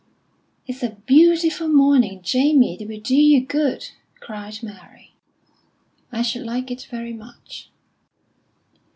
"It's a beautiful morning, Jamie; it will do you good!" cried Mary. "I should like it very much."